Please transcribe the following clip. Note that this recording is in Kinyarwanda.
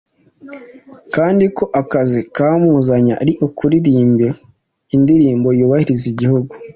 kandi ko akazi kamuzanye ari ukuririmba indirimbo yubahiriza igihugu.